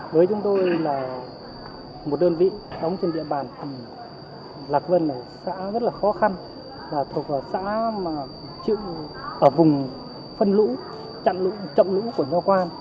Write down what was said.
với chúng tôi là một đơn vị đóng trên địa bàn lạc vân là xã rất là khó khăn là thuộc xã mà chịu ở vùng phân lũ chậm lũ của nho qua